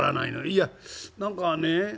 「いや何かね